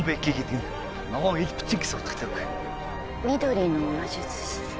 緑の魔術師